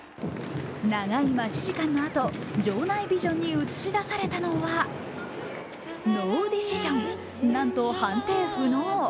長い待ち時間のあと場内ビジョンに映し出されたのはノーディシジョン、なんと判定不能